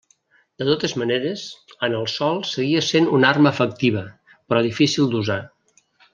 De totes maneres, en el sòl seguia sent una arma efectiva, però difícil d'usar.